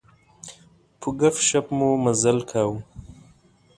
په ګپ شپ مو مزال کاوه.